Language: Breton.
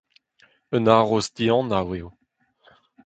Un haroz dianav eo.